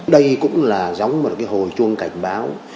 đây cũng là giống một cái hồi chuông cảnh báo